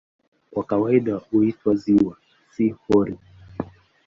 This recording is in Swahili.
Kwa kawaida huitwa "ziwa", si "hori".